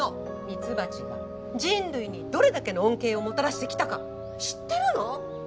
ミツバチが人類にどれだけの恩恵をもたらしてきたか知ってるの？